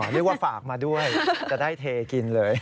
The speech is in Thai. เรียกว่าฝากมาด้วยจะได้เทกินเลย